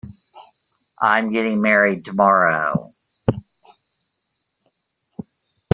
I'm getting married tomorrow.